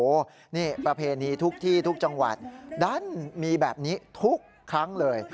โอ้โหนี่ประเพณีทุกที่ทุกจังหวัดดันมีแบบนี้ทุกครั้งเลย